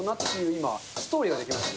今、ストーリーが出来ました。